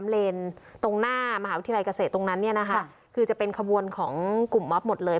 เลนตรงหน้ามหาวิทยาลัยเกษตรตรงนั้นเนี่ยนะคะคือจะเป็นขบวนของกลุ่มมอบหมดเลย